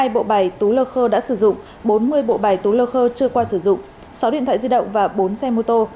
hai bộ bài tú lơ khơ đã sử dụng bốn mươi bộ bài tú lơ khơ chưa qua sử dụng sáu điện thoại di động và bốn xe mô tô